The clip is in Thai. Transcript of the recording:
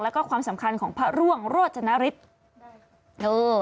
แล้วก็ความสำคัญของพระร่วงโรจนฤทธิ์